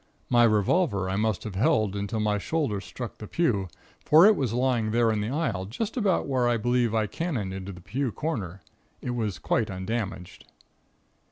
My revolver I must have held until my shoulder struck the pew, for it was lying there in the aisle, just about where I believe I cannoned into the pew corner. It was quite undamaged.